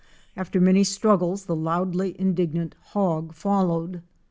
After many struggles the loudly indignant hog followed.